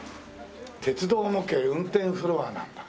「鉄道模型運転フロア」なんだ。